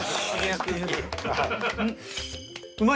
うまい？